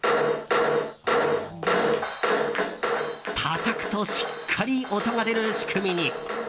たたくとしっかり音が出る仕組みに。